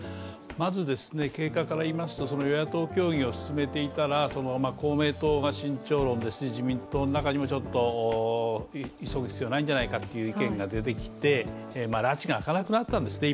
まず経過からいいますと、与野党協議を進めていたら公明党が慎重論だし自民党の中にも急ぐ必要はないんじゃないかという意見が出てきて、らちがあかなくなったんですね。